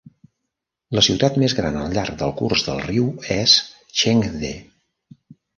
La ciutat més gran al llarg del curs del riu és Chengde.